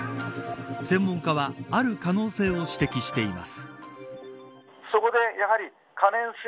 専門家はある可能性を指摘しています。